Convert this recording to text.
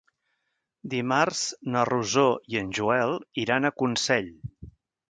Dimarts na Rosó i en Joel iran a Consell.